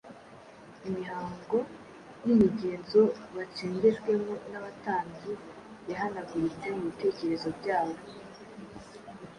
Imihango n’imigenzo bacengejwemo n’abatambyi yahanaguritse mu bitekerezo byabo,